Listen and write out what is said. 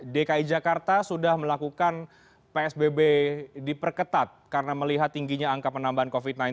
dki jakarta sudah melakukan psbb diperketat karena melihat tingginya angka penambahan covid sembilan belas